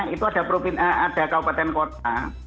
itu ada kabupaten kota